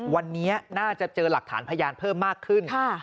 วันนี้น่าจะเจอหลักฐานพยานเพิ่มมากขึ้น